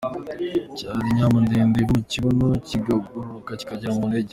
Cyari inyama ndende iva mu kibuno , kigakururuka kikagera mu ntege .